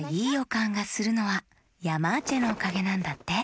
かんがするのはヤマーチェのおかげなんだって。